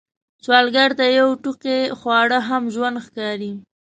سوالګر ته یو ټوقی خواړه هم ژوند ښکاري